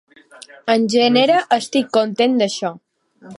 En genera estic content d'això.